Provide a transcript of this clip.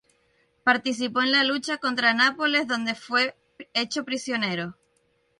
Participó en la lucha contra Nápoles donde fue hecho prisionero.